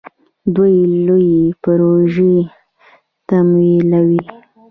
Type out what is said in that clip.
دوی لویې پروژې تمویلوي.